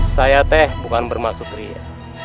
saya teh bukan bermaksud ria